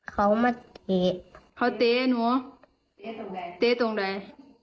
เขาโต๊ะตรงไหน